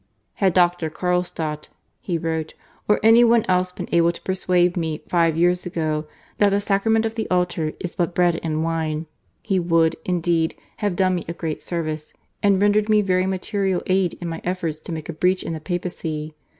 "Had Doctor Carlstadt," he wrote, "or any one else been able to persuade me five years ago that the sacrament of the altar is but bread and wine he would, indeed, have done me a great service, and rendered me very material aid in my efforts to make a breach in the Papacy.